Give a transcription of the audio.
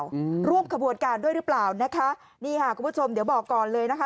อืมร่วมขบวนการด้วยหรือเปล่านะคะนี่ค่ะคุณผู้ชมเดี๋ยวบอกก่อนเลยนะคะ